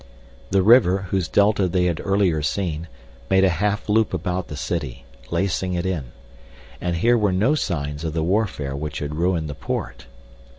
The river, whose delta they had earlier seen, made a half loop about the city, lacing it in. And here were no signs of the warfare which had ruined the port.